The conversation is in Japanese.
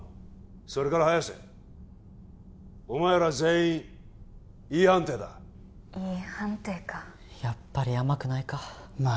それから早瀬お前ら全員Ｅ判定だＥ判定かやっぱり甘くないかまあ